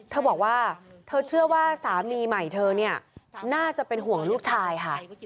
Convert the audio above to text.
เธอบอกว่าเธอเชื่อว่าสามีใหม่เธอเนี่ยน่าจะเป็นห่วงลูกชายค่ะ